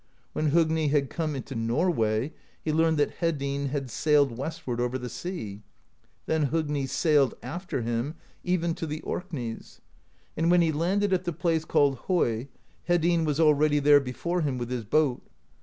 When Hogni had come into Norway, he learned that Hedinn had sailed westward over the sea. Then Hogni sailed after him, even to the Orkneys; and when he landed at the place called Hoy, Hedinn was already there before him with his host.